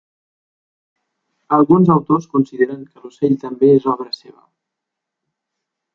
Alguns autors consideren que l'ocell també és obra seva.